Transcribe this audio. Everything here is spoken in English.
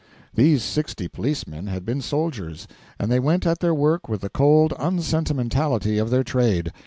These sixty policemen had been soldiers, and they went at their work with the cold unsentimentality of their trade.